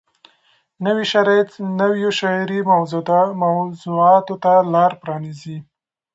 نوي شرایط نویو شعري موضوعاتو ته لار پرانیزي.